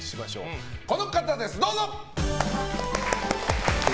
この方です、どうじ！